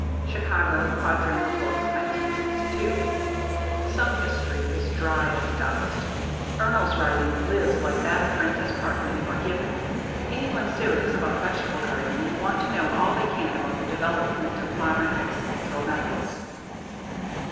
Chicago: Quadrangle Books, 1962. Some history is dry as dust. Ernle's writing lives like that of Francis Parkman or Gibbon. Anyone serious about vegetable gardening will want to know all they can about the development of modern agricultural methods.